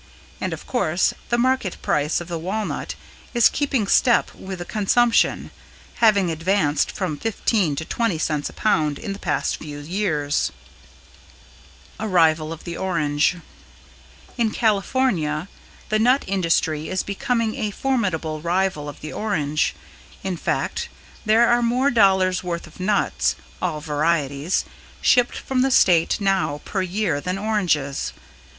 And of course the market price of the walnut is keeping step with the consumption, having advanced from 15 to 20 cents a pound in the past few years. [Sidenote: =A Rival of the Orange=] In California the nut industry is becoming a formidable rival of the orange; in fact, there are more dollars worth of nuts (all varieties) shipped from the state now per year than oranges.